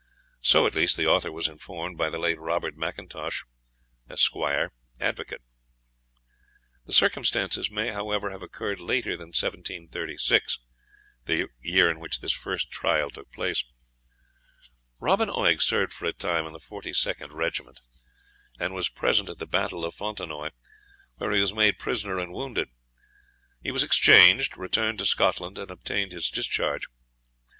So at least the author was informed by the late Robert MacIntosh, Esq., advocate. The circumstance may, however, have occurred later than 1736 the year in which this first trial took place. Robin Oig served for a time in the 42d regiment, and was present at the battle of Fontenoy, where he was made prisoner and wounded. He was exchanged, returned to Scotland, and obtained his discharge.